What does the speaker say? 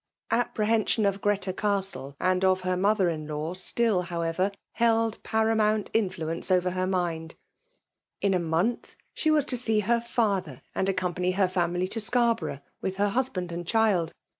Apprehension of Greta Castle and of her mother in law atiU, however, held paramount influence over her mind. In a month, she was to see her father and accompany her family to Scarborough with her husband and child.